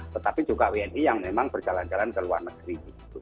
tetapi juga wni yang memang berjalan jalan ke luar negeri